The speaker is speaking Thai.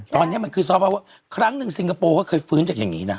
ใช่ตอนเนี้ยมันคือครั้งหนึ่งซิงคโปร์เขาเคยฟื้นจากอย่างงี้น่ะ